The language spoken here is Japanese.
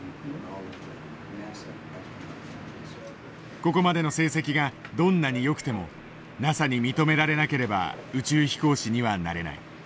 ここまでの成績がどんなによくてもＮＡＳＡに認められなければ宇宙飛行士にはなれない。